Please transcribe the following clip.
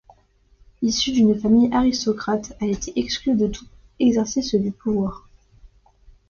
Issue d'une famille aristocrate, elle était exclue de tout exercice du pouvoir.